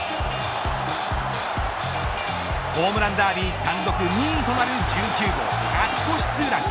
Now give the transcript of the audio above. ホームランダービー単独２位となる１９号勝ち越しツーラン。